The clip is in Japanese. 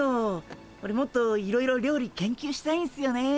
オレもっといろいろ料理研究したいんすよね。